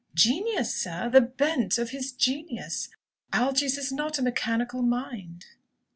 "Genius, sir; the bent of his genius. Algy's is not a mechanical mind."